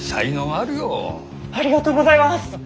ありがとうございます！